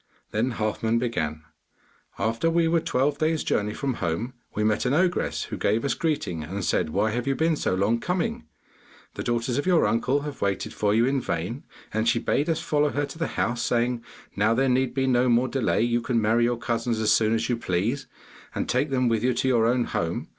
Then Halfman began: 'After we were twelve days' journey from home, we met an ogress, who gave us greeting and said, "Why have you been so long coming? The daughters of your uncle have waited for you in vain," and she bade us follow her to the house, saying, "Now there need be no more delay; you can marry your cousins as soon as you please, and take them with you to your own home."